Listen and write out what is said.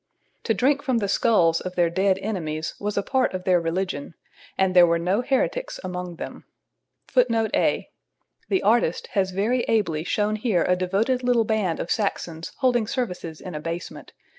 ] To drink from the skulls of their dead enemies was a part of their religion, and there were no heretics among them.[A] [Footnote A: The artist has very ably shown here a devoted little band of Saxons holding services in a basement.